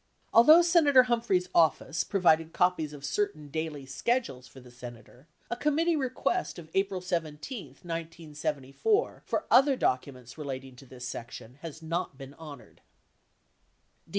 Although Senator Humphrey's office provided copies of certain daily schedules for the Senator, a committee request of April 17, 1974, for other documents relating to this section has not been honored.